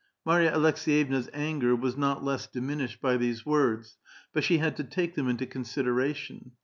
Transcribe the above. " Marya Aleks^yevna's anger was not less diminished by these words, but she had to take them into consideration.